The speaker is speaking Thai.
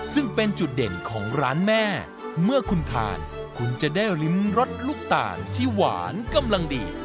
ซึ่งเป็นจุดเด่นของร้านแม่เมื่อคุณทานคุณจะได้ริมรสลูกตาลที่หวานกำลังดี